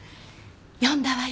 読んだわよ